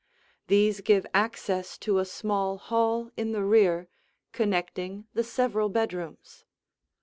These give access to a small hall in the rear, connecting the several bedrooms.